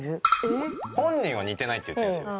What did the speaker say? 本人は似てないって言ってるんですよ。